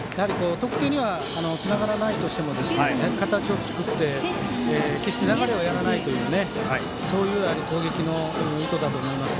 得点にはつながらないとしても形を作って決して流れはやらないというそういう攻撃の意図だと思います。